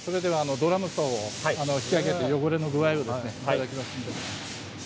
ドラム槽を引き上げて汚れの具合を見ますね。